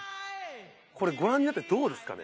これご覧になってどうですかね？